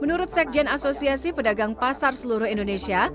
menurut sekjen asosiasi pedagang pasar seluruh indonesia